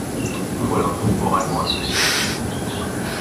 Vous voilà donc moralement associé, monsieur Huyghe.